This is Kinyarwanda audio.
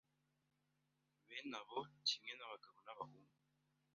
Bene abo, kimwe n’abagabo n’abahungu